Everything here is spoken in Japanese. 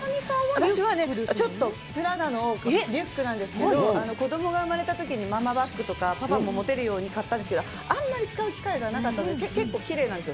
私はちょっと、プラダのリュックなんですけど、子どもが生まれたときにママバッグとか、パパも持てるように買ったんですけど、あんまり使う機会がなかったんで、結構、きれいなんですよ。